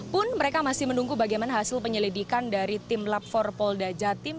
pun mereka masih menunggu bagaimana hasil penyelidikan dari tim lab empat polda jatim